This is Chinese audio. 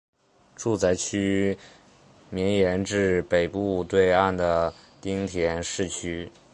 住宅区绵延至北部对岸的町田市域。